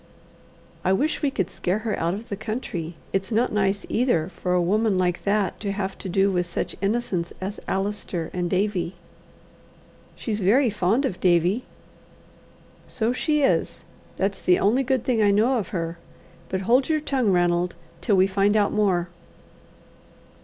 I wish we could scare her out of the country. It's not nice either for a woman like that to have to do with such innocents as Allister and Davie." "She's very fond of Davie." "So she is. That's the only good thing I know of her. But hold your tongue, Ranald, till we find out more."